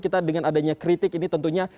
kita dengan adanya kritik ini tentunya